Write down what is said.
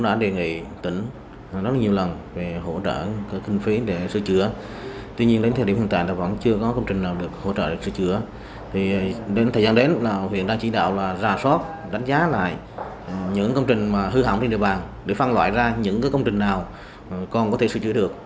đó là những công trình hư hỏng trên địa bàn để phân loại ra những công trình nào con có thể sử dụng được